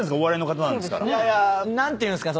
いやいや何ていうんすか。